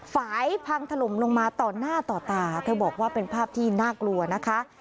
ฝ่ายพังถล่มลงมาต่อหน้าต่อตาเธอบอกว่าเป็นภาพที่น่ากลัวนะคะ